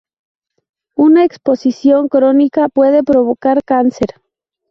Una exposición crónica puede provocar cáncer.